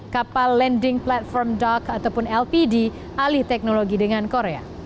kapal landing platform dock ataupun lpd alih teknologi dengan korea